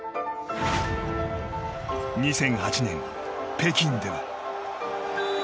２００８年、北京では。